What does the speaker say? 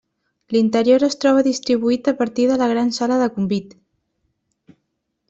L'interior es troba distribuït a partir de la gran sala de convit.